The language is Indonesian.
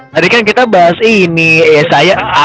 tadi kan kita bahas ini yesayah